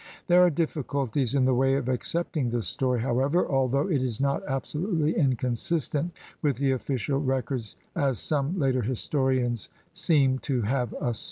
There are difficulties in the way of accepting this story, however, although it is not absolutely inconsistent with the official records, as some later historians seem to have assumed.